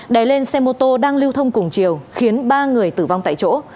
đè lên xe mô tô đang lưu thông cùng chiều khiến ba người tử vong tại chỗ